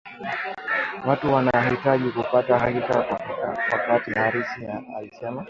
Watu wanahitaji kupata haki kwa wakati Harris alisema